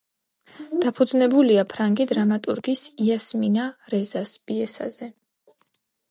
დაფუძნებულია ფრანგი დრამატურგის, იასმინა რეზას, პიესაზე.